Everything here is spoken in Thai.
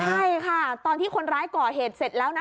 ใช่ค่ะตอนที่คนร้ายก่อเหตุเสร็จแล้วนะ